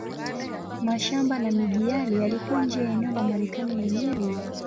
Mashamba na miji yale yalikuwa nje ya eneo la Marekani yenyewe.